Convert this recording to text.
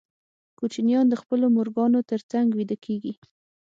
کوچنیان د خپلو مورګانو تر څنګ ویده کېږي.